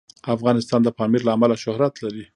افغانستان د پامیر له امله شهرت لري.